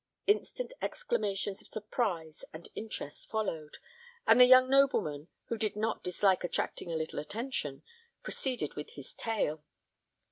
Instant exclamations of surprise and interest followed; and the young nobleman, who did not dislike attracting a little attention, proceeded with his tale.